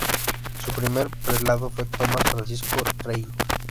Su primer prelado fue Tomás Francisco Reilly.